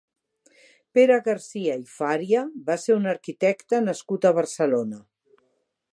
Pere Garcia i Fària va ser un arquitecte nascut a Barcelona.